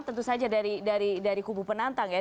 tentu saja dari kubu penantang ya